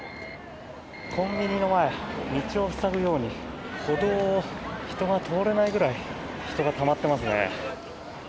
コンビニの前、道を塞ぐように歩道を人が通れないぐらい人がたまっていますね。